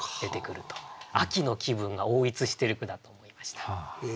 秋の気分が横いつしてる句だと思いました。